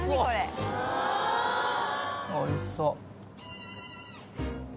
おいしそう。